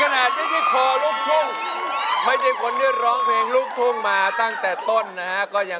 นะไม่ได้เป็นลูกทุ่มแค่คอแล้วล่ะตอนนี้นะฮะ